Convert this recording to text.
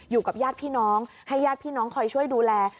อยู่กับญาติพี่น้องให้ญาติพี่น้องคอยช่วยดูแล